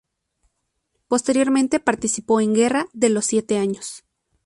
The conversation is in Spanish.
Posteriormente participó en Guerra de los Siete Años.